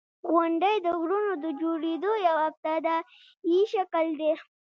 • غونډۍ د غرونو د جوړېدو یو ابتدایي شکل دی.